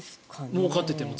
もうかってても？